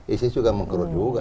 isis juga mengkerut juga